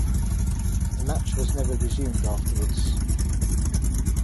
The match was never resumed afterwards.